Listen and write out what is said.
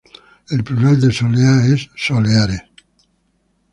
El plural de soleá es "soleares".